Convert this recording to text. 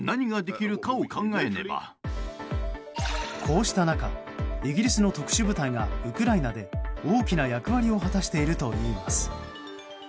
こうした中イギリスの特殊部隊がウクライナで大きな役割を果たしているといいます。